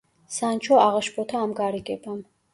სანჩო აღაშფოთა ამ გარიგებამ.